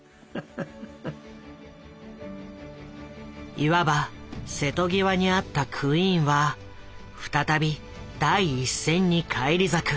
いわば瀬戸際にあったクイーンは再び第一線に返り咲く。